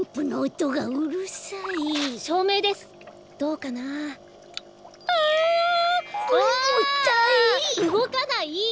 うごかない！